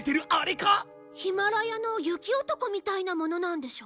ヒマラヤの雪男みたいなものなんでしょ？